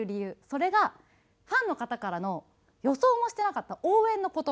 それがファンの方からの予想もしてなかった応援の言葉なんです。